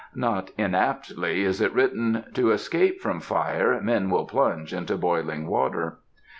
Not inaptly is it written: "To escape from fire men will plunge into boiling water."